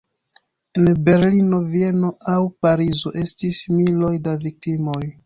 En Berlino, Vieno aŭ Parizo estis miloj da viktimoj.